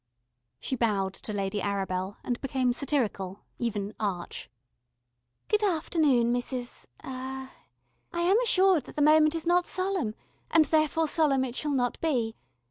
She bowed to Lady Arabel, and became satirical, even arch. "Good afternoon, Mrs. er , I am assured that the moment is not solemn, and therefore solemn it shall not be.